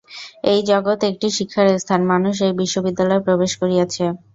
এই জগৎ একটি শিক্ষার স্থান! মানুষ এই বিশ্ববিদ্যালয়ে প্রবেশ করিয়াছে।